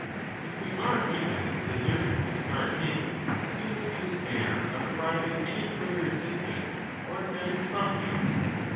if we are even to desert and discard him, as soon as we despair of deriving any further assistance or advantage from him.